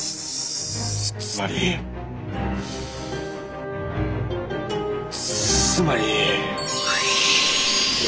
つまりつまり。